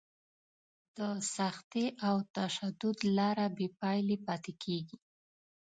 د سختي او تشدد لاره بې پایلې پاتې کېږي.